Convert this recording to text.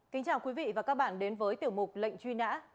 kính chào quý vị và các bạn đến với tiểu mục lệnh truy nã